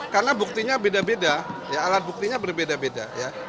karena buktinya beda beda alat buktinya berbeda beda